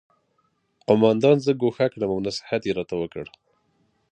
قومندان زه ګوښه کړم او نصیحت یې راته وکړ